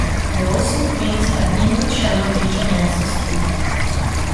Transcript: The Olsen twins have English and Norwegian ancestry.